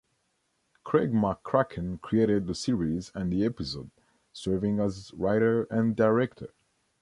Craig McCracken created the series and the episode, serving as writer and director.